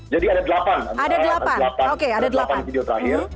jadi ada delapan ada delapan ada delapan video terakhir